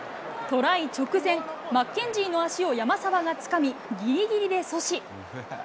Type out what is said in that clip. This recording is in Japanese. トライ直前、マッケンジーの足を山沢がつかみ、ぎりぎりで阻止。